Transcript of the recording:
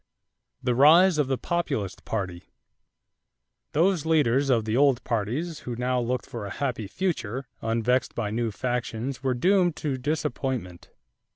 =The Rise of the Populist Party.= Those leaders of the old parties who now looked for a happy future unvexed by new factions were doomed to disappointment.